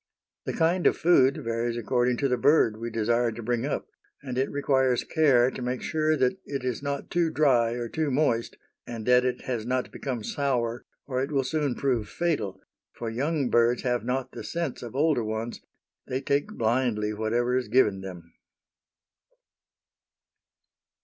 The kind of food varies according to the bird we desire to bring up, and it requires care to make sure that it is not too dry or too moist, and that it has not become sour, or it will soon prove fatal, for young birds have not the sense of older ones they take blindly whatever is given them.